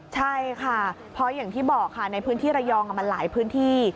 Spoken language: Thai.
ใช่ค่ะเพราะอย่างที่บอกค่ะในพื้นที่ระยองมันหลายพื้นที่